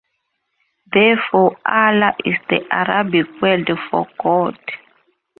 Therefore, "Allah" is the Arabic word for "God".